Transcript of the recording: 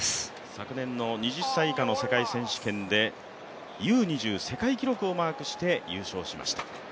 昨年の２０歳以下の世界選手権でＵ−２０世界記録をマークして優勝しました。